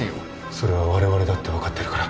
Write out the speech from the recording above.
それはわれわれだって分かってるから。